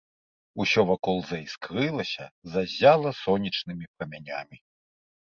Усё вакол заіскрылася, заззяла сонечнымі прамянямі.